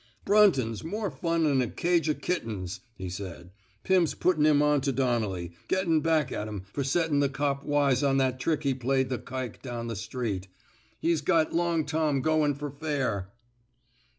Brunton's more fun 'n a cage of kittens,'' he said. Pirn's puttin' him on to Don nelly — gettin' back at him fer settin' the cop wise on that trick he played the kike down the street. He's got * Long Tom ' goin' fer fair."